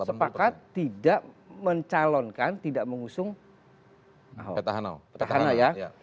sepakat tidak mencalonkan tidak mengusung petahana ya